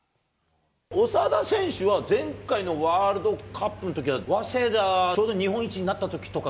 長田選手は、前回のワールドカップのときは、早稲田、ちょうど日本一になったときとか。